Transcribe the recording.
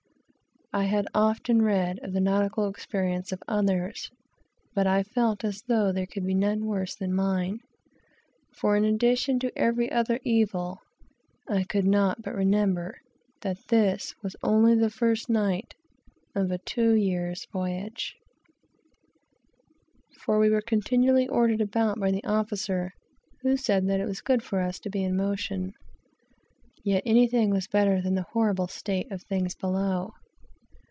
I had often read of the nautical experiences of others, but I felt as though there could be none worse than mine; for in addition to every other evil, I could not but remember that this was only the first night of a two years' voyage. When we were on deck we were not much better off, for we were continually ordered about by the officer, who said that it was good for us to be in motion. Yet anything was better than the horrible state of things below.